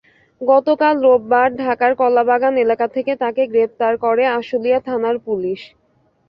গতকাল রোববার ঢাকার কলাবাগান এলাকা থেকে তাঁকে গ্রেপ্তার করে আশুলিয়া থানার পুলিশ।